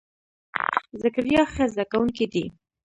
ذکریا ښه زده کونکی دی.